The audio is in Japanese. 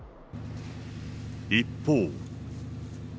一方。